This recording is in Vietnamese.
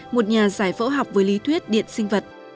một nhà giải phẫu học với lý thuyết điện sinh vật